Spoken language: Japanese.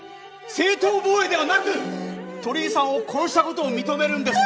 正当防衛ではなく鳥居さんを殺した事を認めるんですね？